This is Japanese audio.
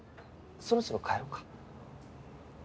そろそろ帰ろうか？